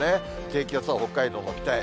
低気圧は北海道の北へ。